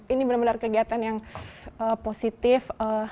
ini benar benar kegiatan yang positif